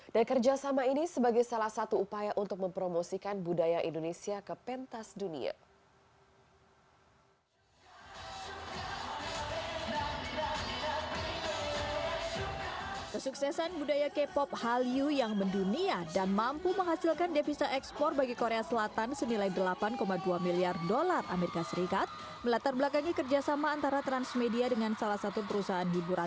dan kerjasama ini sebagai salah satu upaya untuk mempromosikan budaya indonesia ke pentas dunia